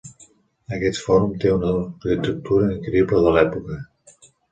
Aquest fòrum té una arquitectura increïble de l'època.